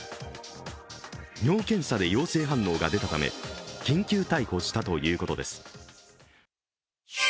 尿検査で陽性反応が出たため緊急逮捕したということです。